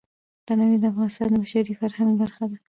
تنوع د افغانستان د بشري فرهنګ برخه ده.